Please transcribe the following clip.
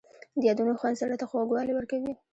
د یادونو خوند زړه ته خوږوالی ورکوي.